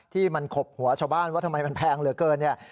ที่มันขบหัวชาวบ้านว่าทำไมมันแพงเหลือเกินเนี่ย